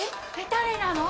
誰なの！？